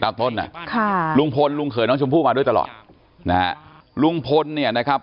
ตั้งต้นลุงพลลุงเคน้องชมพู่มาด้วยตลอดลุงพลเนี่ยนะครับ